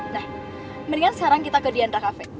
nah mendingan sekarang kita ke diandra cafe